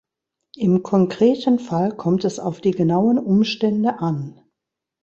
Im konkreten Fall kommt es auf die genauen Umstände an.